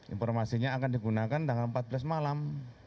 informasinya akan digunakan tanggal empat belas malam